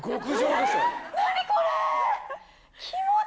え何これ！